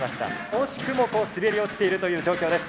惜しくも滑り落ちているという状況です。